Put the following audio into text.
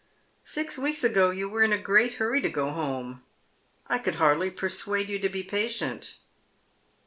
" Six weeks ago you were in a great hurry to go home. I could hardly persuade you to be patient."